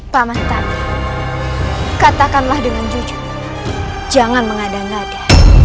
pak mah tadi katakanlah dengan jujur jangan mengada ngada